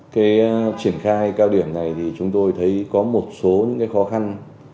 cái triển khai cao điểm này thì chúng tôi thấy có một số những cái khó khăn